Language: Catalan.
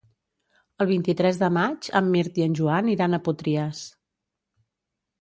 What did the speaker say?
El vint-i-tres de maig en Mirt i en Joan iran a Potries.